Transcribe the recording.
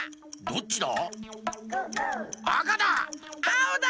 どっちだ？